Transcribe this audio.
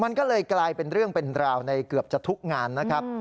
มันก็เลยกลายเป็นเรื่องเป็นราวในเกือบจะทุกงานนะครับ